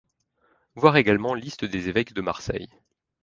Voir également Liste des évêques de Marseille.